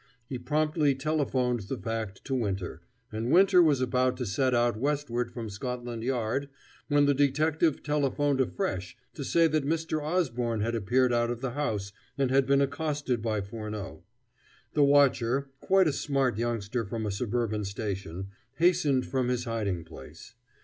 He promptly telephoned the fact to Winter, and Winter was about to set out westward from Scotland Yard when the detective telephoned afresh to say that Mr. Osborne had appeared out of the house, and had been accosted by Furneaux. The watcher, quite a smart youngster from a suburban station, hastened from his hiding place.